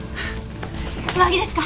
上着ですか？